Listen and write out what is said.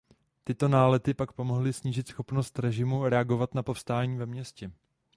Tyto nálety pak pomohly snížit schopnost režimu reagovat na povstání ve městě.